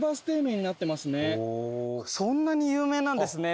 そんなに有名なんですね